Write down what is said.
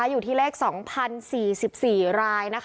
อยู่ที่เลข๒๐๔๔ราย